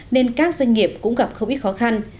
nên các doanh nghiệp cũng gặp không ít khó khăn